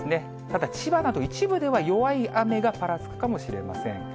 ただ、千葉など一部では弱い雨がぱらつくかもしれません。